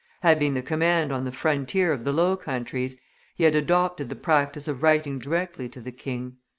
Having the command on the frontier of the Low Countries, he had adopted the practice of writing directly to the king.